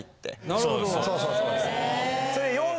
なるほど。